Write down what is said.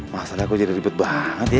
masalahnya gue jadi ribet banget ya